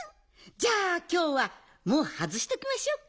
じゃあきょうはもうはずしときましょうか。